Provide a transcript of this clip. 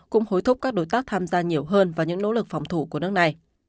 cũng hối thúc các đối tác tham gia nhiều hơn vào những nỗ lực phòng thủ của nước này